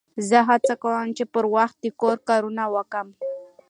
زه هڅه کوم، چي پر وخت د کور کارونه وکم.